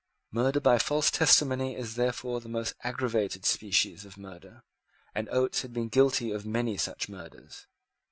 Murder by false testimony is therefore the most aggravated species of murder; and Oates had been guilty of many such murders.